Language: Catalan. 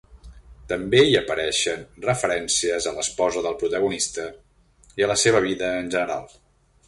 També hi apareixen referències a l'esposa del protagonista i a la seva vida en general.